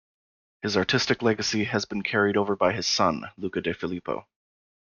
His artistic legacy has been carried over by his son Luca De Filippo.